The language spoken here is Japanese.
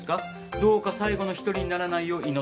どうか最後の１人にならないよう祈っております。